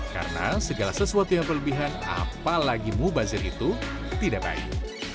karena segala sesuatu yang berlebihan apalagi mubazir itu tidak baik